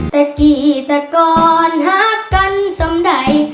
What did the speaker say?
แต่กี่แต่ก่อนหากันสำใด